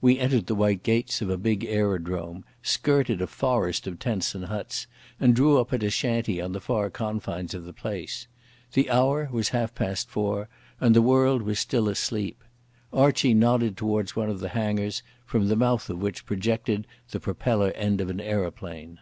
We entered the white gates of a big aerodrome, skirted a forest of tents and huts, and drew up at a shanty on the far confines of the place. The hour was half past four, and the world was still asleep. Archie nodded towards one of the hangars, from the mouth of which projected the propeller end of an aeroplane.